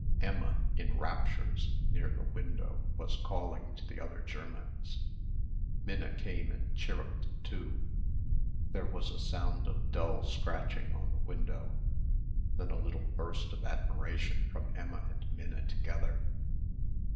Emma, in raptures near the window, was calling to the other Germans. Minna came and chirruped too there was a sound of dull scratching on the window then a little burst of admiration from Emma and Minna together.